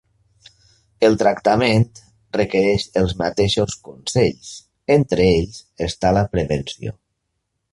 El tractament requereix els mateixos consells, entre ells està la prevenció.